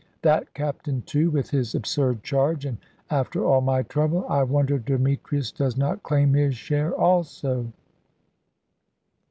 That captain, too, with his absurd charge, and after all my trouble! I wonder Demetrius does not claim his share, also."